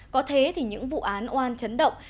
có thế thì những vụ án oan chấn động